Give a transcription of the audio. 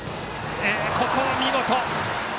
ここは見事。